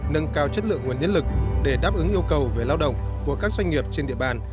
nâng cao chất lượng nguồn nhân lực để đáp ứng yêu cầu về lao động của các doanh nghiệp trên địa bàn